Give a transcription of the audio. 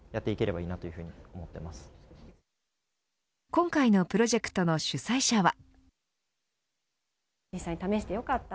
今回のプロジェクトの主催者は。